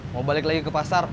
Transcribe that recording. mau balik lagi ke pasar